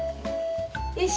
よし！